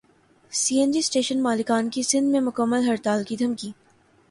سی N G station مالکان کی سندھ میں مکمل ہڑتال کی دھمکی